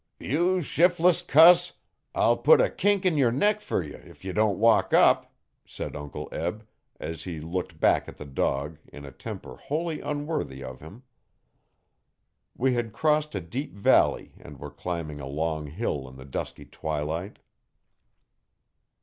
'You shifless cuss! I'll put a kink in your neck fer you if ye don't walk up,' said Uncle Eb, as he looked back at the dog, in a temper wholly unworthy of him. We had crossed a deep valley and were climbing a long hill in the dusky twilight.